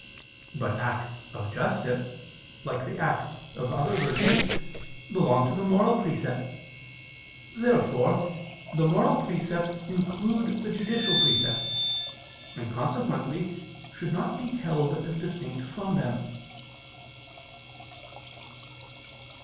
But acts of justice, like the acts of other virtues, belong to the moral precepts. Therefore the moral precepts include the judicial precepts, and consequently should not be held as distinct from them.